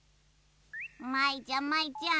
舞ちゃん舞ちゃん